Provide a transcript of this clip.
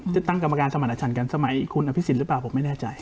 จะตั้งกรรมการสมรรถชันกันสมัยคุณอภิษฐศิลปะผมไม่แน่ใจ